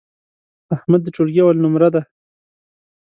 احمد د ټولگي اول نمره دی.